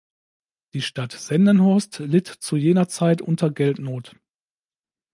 Die Stadt Sendenhorst litt zu jener Zeit unter Geldnot.